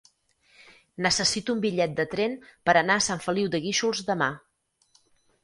Necessito un bitllet de tren per anar a Sant Feliu de Guíxols demà.